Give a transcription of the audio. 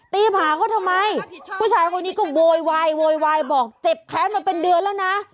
ผ่าเขาทำไมผู้ชายคนนี้ก็โวยวายโวยวายบอกเจ็บแค้นมาเป็นเดือนแล้วนะ